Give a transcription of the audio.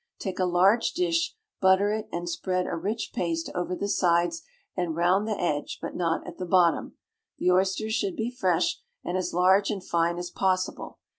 Take a large dish, butter it, and spread a rich paste over the sides and round the edge, but not at the bottom. The oysters should be fresh, and as large and fine as possible.